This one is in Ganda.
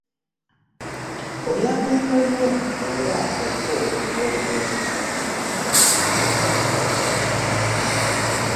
Oyanguyirwa nnyo bw'oba oliko bw'otereezeza amangu.